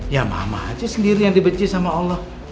ya mama aja sendiri yang dibenci sama allah